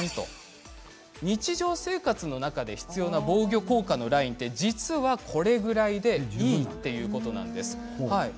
日常生活の中で必要な防御効果のラインはこれぐらいでいいということなんですね。